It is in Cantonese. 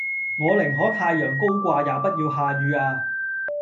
我寧可太陽高掛也不要下雨呀！